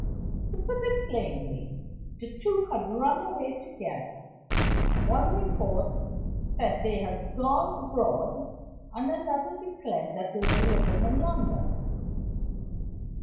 To put it plainly, the two had run away together; one report said they had gone abroad, and another declared that they were living in London.